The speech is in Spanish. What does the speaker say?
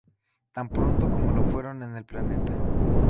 Tan pronto como lo fueron en el planeta.